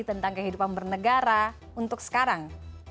tentang kehidupan bernegara untuk sekarang